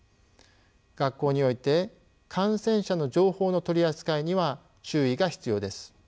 学校において感染者の情報の取り扱いには注意が必要です。